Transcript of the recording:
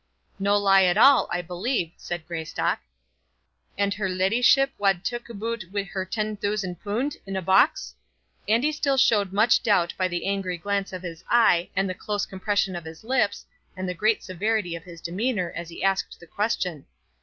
"No lie at all, I believe," said Greystock. "And her leddyship wad tak' aboot wi' her ten thoosand poond in a box?" Andy still showed much doubt by the angry glance of his eye and the close compression of his lips, and the great severity of his demeanour as he asked the question.